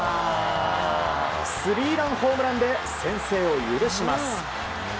スリーランホームランで先制を許します。